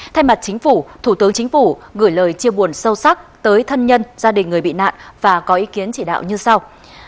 thay mặt chính phủ thủ tướng chính phủ gửi lời chia buồn sâu sắc tới thân nhân gia đình người bị nạn và có ý kiến chỉ đạo như sau